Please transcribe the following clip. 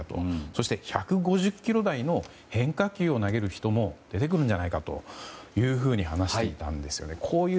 そして１５０キロ台の変化球を投げる人も出てくるんじゃないかと話していたんですよね。